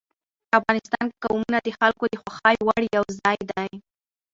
افغانستان کې قومونه د خلکو د خوښې وړ یو ځای دی.